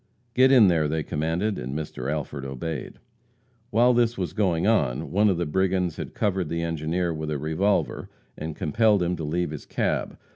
"Get in there!" they commanded, and Mr. Alford obeyed. While this was going on, one of the brigands had covered the engineer with a revolver, and compelled him to leave his cab.